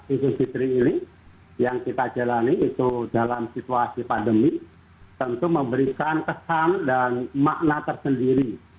idul fitri ini yang kita jalani itu dalam situasi pandemi tentu memberikan kesan dan makna tersendiri